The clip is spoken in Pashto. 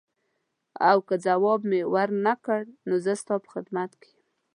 او که ځواب مې ورنه کړ زه ستا په خدمت کې یم.